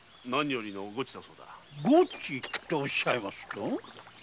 「ゴチ」とおっしゃいますと？